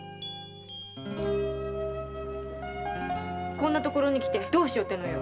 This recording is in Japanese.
こんな所に来てどうしようってのよ。